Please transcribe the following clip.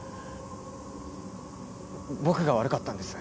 僕が悪かったんです。